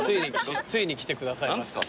ついに来てくださいました。